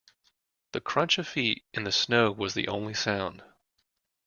The crunch of feet in the snow was the only sound.